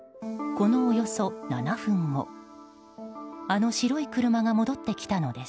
このおよそ７分後あの白い車が戻ってきたのです。